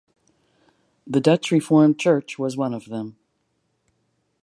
The Dutch Reformed Church was one of them.